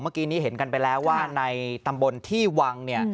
เมื่อกี้นี้เห็นกันไปแล้วว่าในตำบลที่วังเนี่ย